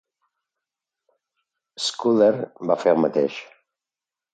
Scudder va fer el mateix.